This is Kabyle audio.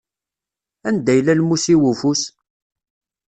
Anda yella lmus-iw ufus?